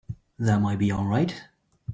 That might be all right.